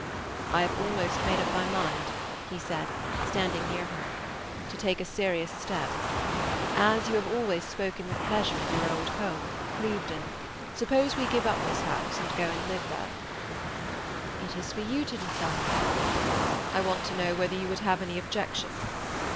"I have almost made up my mind," he said, standing near her, "to take a serious step. As you have always spoken with pleasure of your old home, Clevedon, suppose we give up this house and go and live there?" "It is for you to decide." "I want to know whether you would have any objection."